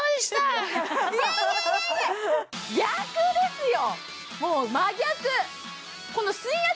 逆ですよ